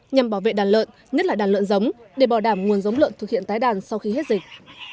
nhằm bảo vệ đàn lợn nhất là đàn lợn giống để bảo đảm nguồn giống lợn thực hiện tái đàn sau khi hết dịch